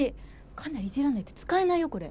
かなりいじらないと使えないよこれ。